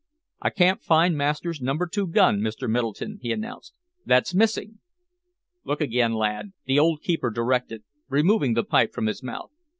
"I can't find master's number two gun, Mr. Middleton," he announced. "That's missing." "Look again, lad," the old keeper directed, removing the pipe from his mouth.